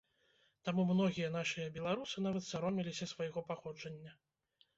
Таму многія нашыя беларусы нават саромеліся свайго паходжання.